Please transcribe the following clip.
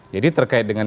jadi terkait dengan